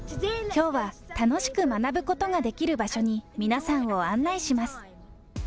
きょうは楽しく学ぶことができる場所に皆さんを案内します。